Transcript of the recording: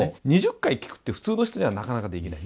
２０回聞くって普通の人にはなかなかできないですよ。